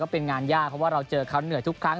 เป็นงานยากเพราะว่าเราเจอเขาเหนื่อยทุกครั้ง